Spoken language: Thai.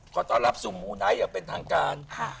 เขาตอบรับสุงหูใดเป็นทางการ